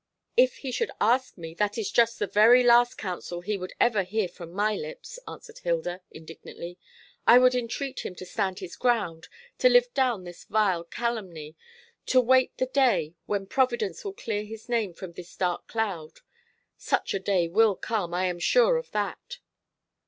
"If he should ask me, that is just the very last counsel he would ever hear from my lips," answered Hilda indignantly. "I would entreat him to stand his ground to live down this vile calumny to wait the day when Providence will clear his name from this dark cloud. Such a day will come, I am sure of that."